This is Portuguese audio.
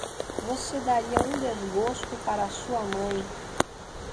Você daria um desgosto para sua mãe.